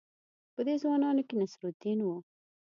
په دې ځوانانو کې نصرالدین وو.